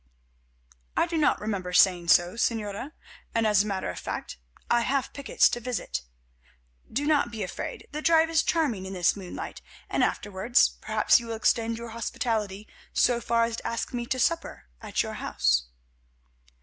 "I do not remember saying so, Señora, and as a matter of fact I have pickets to visit. Do not be afraid, the drive is charming in this moonlight, and afterwards perhaps you will extend your hospitality so far as to ask me to supper at your house."